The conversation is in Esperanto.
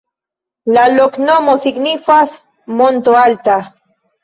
La loknomo signifas: monto-alta.